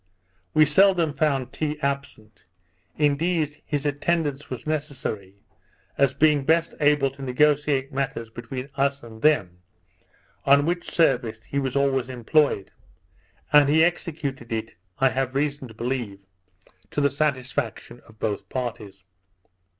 We seldom found Tee absent; indeed his attendance was necessary, as being best able to negociate matters between us and them, on which service he was always employed; and he executed it, I have reason to believe, to the satisfaction of both parties.